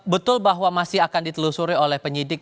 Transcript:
betul bahwa masih akan ditelusuri oleh penyidik